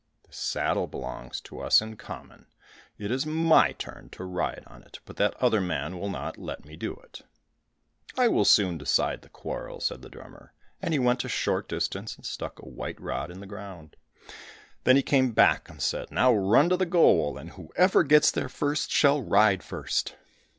The saddle belongs to us in common. It is my turn to ride on it, but that other man will not let me do it." "I will soon decide the quarrel," said the drummer, and he went to a short distance and stuck a white rod in the ground. Then he came back and said, "Now run to the goal, and whoever gets there first, shall ride first."